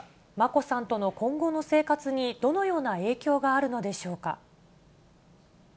眞子さんとの今後の生活に、どのような影響があるのでしょうか。